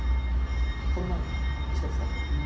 その前に１つだけ。